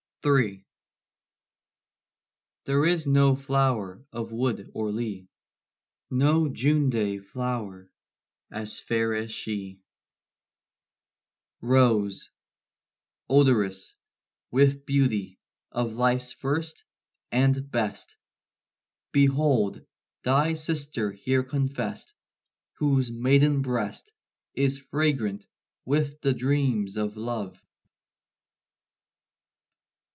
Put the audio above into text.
III. There is no flower of wood or lea, No Juneday flower, as fair as she: Rose, odorous with beauty of Life's first and best, Behold thy sister here confessed! Whose maiden breast Is fragrant with the dreams of love.